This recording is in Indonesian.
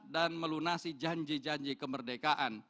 dan melunasi janji janji kemerdekaan